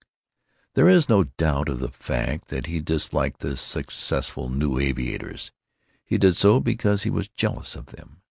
There is no doubt of the fact that he disliked the successful new aviators, and did so because he was jealous of them.